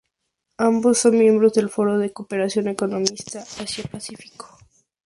Ambos son miembros de la Foro de Cooperación Económica Asia-Pacífico.